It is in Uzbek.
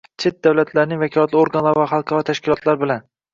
chet davlatlarning vakolatli organlari va xalqaro tashkilotlar bilan